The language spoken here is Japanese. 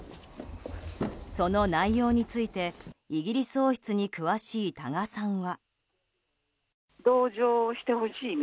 その内容についてイギリス王室に詳しい多賀さんは。